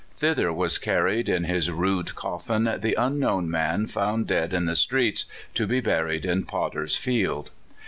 Thither was carried, in his rude coffin, the " unknown man " found dead in the streets, to be buried in potter's field.